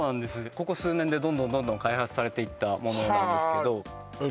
ここ数年でどんどんどんどん開発されていったものなんですがはあえっ